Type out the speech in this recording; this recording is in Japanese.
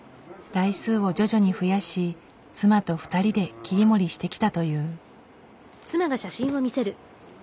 台数を徐々に増やし妻と２人で切り盛りしてきたという。